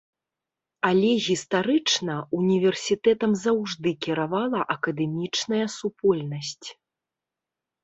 Але гістарычна, універсітэтам заўжды кіравала акадэмічная супольнасць.